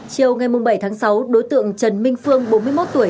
chiều ngày bảy tháng sáu đối tượng trần minh phương bốn mươi một tuổi